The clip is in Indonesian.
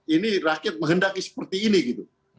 ini rakyat menghendaki seperti ini gitu